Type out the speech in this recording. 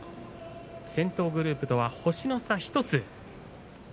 先頭グループとは星の差１つ。